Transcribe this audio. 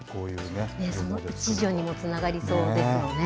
その一助にもつながりそうですよね。